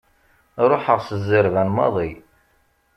Ruḥeɣ s zzerban maḍi.